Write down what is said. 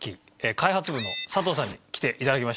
開発部の佐藤さんに来て頂きました。